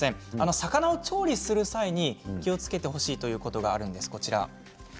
魚を調理する際に気をつけてほしいということがあるんです。